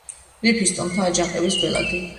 რიფის ტომთა აჯანყების ბელადი.